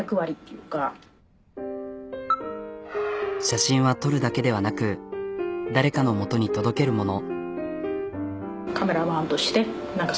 写真は撮るだけではなく誰かの元に届けるもの。